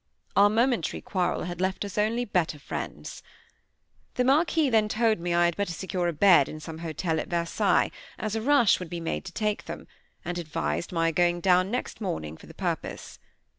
Our momentary quarrel had left us only better friends. The Marquis then told me I had better secure a bed in some hotel at Versailles, as a rush would be made to take them; and advised my going down next morning for the purpose.